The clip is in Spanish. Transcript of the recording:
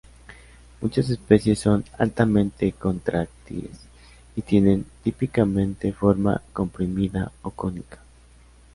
Muchas especies son altamente contráctiles y tienen típicamente forma comprimida o cónica.